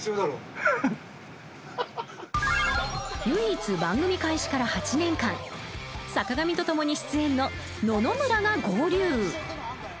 唯一、番組開始から８年間坂上と共に出演の野々村が合流。